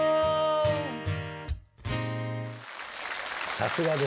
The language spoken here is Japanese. さすがです。